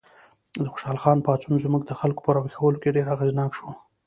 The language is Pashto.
د خوشحال خان پاڅون زموږ د خلکو په راویښولو کې ډېر اغېزناک شو.